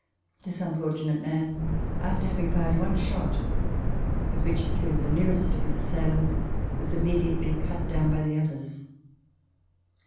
This unfortunate man, after having fired one shot, with which he killed the nearest of his assailants, was immediately cut down by the others.